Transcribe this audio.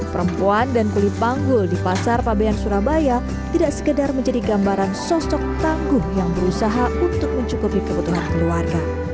perempuan dan kulit panggul di pasar pabean surabaya tidak sekedar menjadi gambaran sosok tangguh yang berusaha untuk mencukupi kebutuhan keluarga